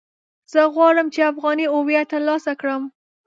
زه غواړم چې افغاني هويت ترلاسه کړم.